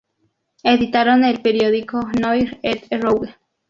Editaron el periódico "Noir et Rouge.